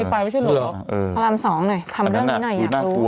พระรามสองหน่อยทำเรื่องนี้หน่อยอยากรู้